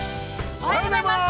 ◆おはようございます。